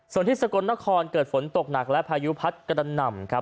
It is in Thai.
ส่วนที่สกลนครเกิดฝนตกหนักและพายุพัดกระดันครับ